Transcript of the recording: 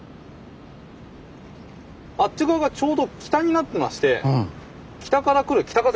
あっち側がちょうど北になってまして北から来る北風